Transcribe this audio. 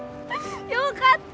よかった！